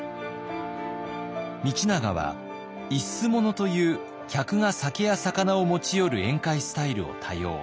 道長は一種物という客が酒や肴を持ち寄る宴会スタイルを多用。